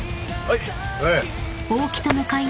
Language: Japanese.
はい。